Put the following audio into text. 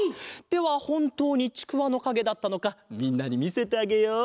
ではほんとうにちくわのかげだったのかみんなにみせてあげよう。